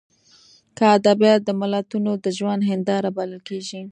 که ادبیات د ملتونو د ژوند هینداره بلل کېږي.